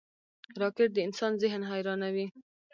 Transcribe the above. راکټ د انسان ذهن حیرانوي